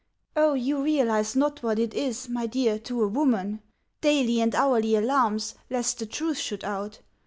"O you realize not what it is, my dear, To a woman! Daily and hourly alarms Lest the truth should out.